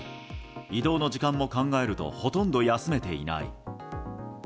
移動の時間も考えるとほとんど休めていない。